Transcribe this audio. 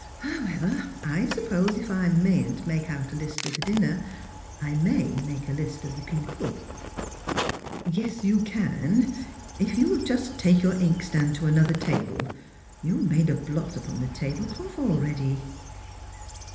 However, I suppose, if I mayn't make out a hst of the dinner, I may make a list of the people P "" Yes, you can, if you'll take your inkstand to another table. Tou've made a blot upon the table cloth already."